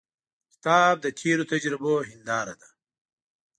کتاب د تیرو تجربو هنداره ده.